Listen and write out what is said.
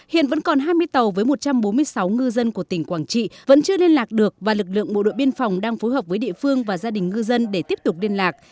hiện vẫn còn hai mươi tàu với một trăm bốn mươi sáu ngư dân của tỉnh quảng trị vẫn chưa liên lạc được và lực lượng bộ đội biên phòng đang phối hợp với địa phương và gia đình ngư dân để tiếp tục liên lạc